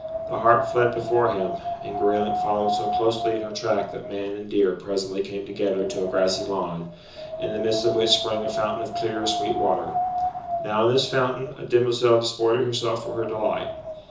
The hart fled before him, and Graelent followed so closely in her track that man and deer presently came together to a grassy lawn, in the midst of which sprang a fountain of clear, sweet water. Now in this fountain a demoiselle disported herself for her delight.